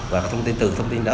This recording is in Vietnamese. và các thông tin từ thông tin đó